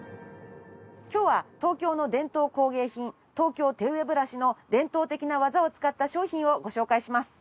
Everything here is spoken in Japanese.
今日は東京の伝統工芸品東京手植ブラシの伝統的な技を使った商品をご紹介します。